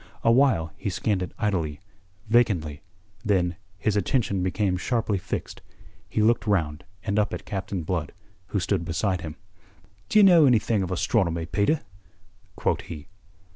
Awhile he scanned it idly, vacantly; then, his attention became sharply fixed. He looked round and up at Captain Blood, who stood beside him. "D'ye know anything of astronomy, Peter?" quoth he.